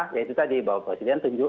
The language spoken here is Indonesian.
ya itu tadi bapak presiden tunjuk